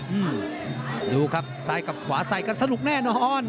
อืมดูครับซ้ายกับขวาใส่กันสนุกแน่นอน